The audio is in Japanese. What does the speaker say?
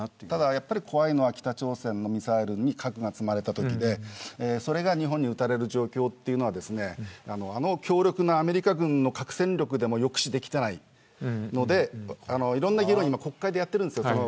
やはり、怖いのは北朝鮮のミサイルに核が積まれたときでそれが日本に撃たれる状況は強力なアメリカ軍の核戦力でも抑止しできてないのでいろんな議論を今、国会でやっているんです。